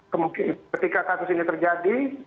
kemungkinan ketika kasus ini terjadi